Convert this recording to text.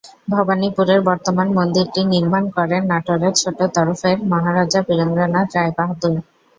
ভবানীপুরের বর্তমান মন্দিরটি নির্মাণ করেন নাটোরের ছোট তরফের মহারাজা বীরেন্দ্রনাথ রায় বাহাদুর।